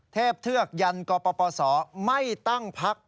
เทพเทือกยันฉ์กปสไม่ตั้งปัก